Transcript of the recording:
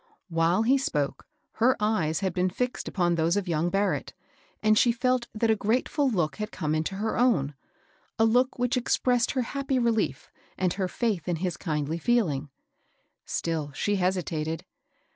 While he spoke, her eyes had been fixed upon THB PAWNBROKER. 231 those of young Barrett, and she felt that a grateful look had come into her own, — a look which ex pressed her happy relief, and her faith in his kind ly feeling. Still she hesitated.